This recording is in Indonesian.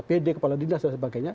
pd kepala dina dsb